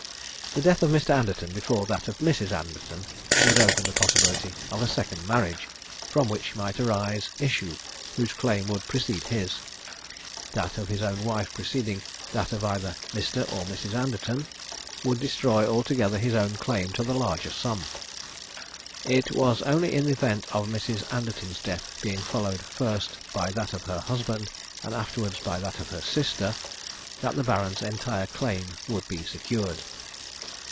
The death of Mr. Anderton before that of Mrs. Anderton, would open the possibility of a second marriage, from which might arise issue, whose claim would precede his; that of his own wife preceding that of either Mr. or Mrs. Anderton, would destroy altogether his own claim to the larger sum. It was only in the event of Mrs. Anderton's death being followed first by that of her husband, and afterwards by that of her sister, that the Baron's entire claim would be secured.